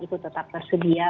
itu tetap tersedia